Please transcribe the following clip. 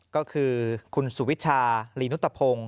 ก็คือคุณสุวิชาลีนุตพงศ์